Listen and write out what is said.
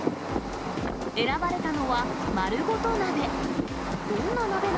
選ばれたのは、まるごと鍋。